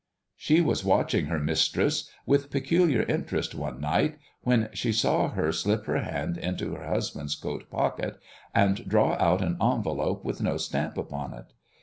She was watching her mistress with peculiar interest one night, when she saw her slip her hand into her husband's coat pocket, and draw out an envelope with no stamp upon it.